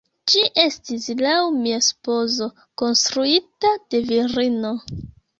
Ĝi estis, laŭ mia supozo, konstruita de virino.